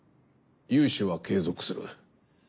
融資は継続する。